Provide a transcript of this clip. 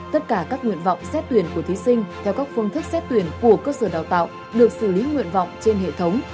tất cả các nguyện vọng xét tuyển của thí sinh theo các phương thức xét tuyển của cơ sở đào tạo được xử lý nguyện vọng trên hệ thống